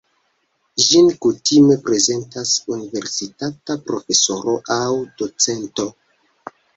Ĝin kutime prezentas universitata profesoro aŭ docento.